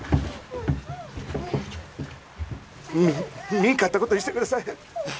見んかったことにしてください